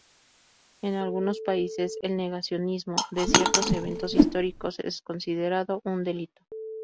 En algunos países, el negacionismo de ciertos eventos históricos es considerado un delito.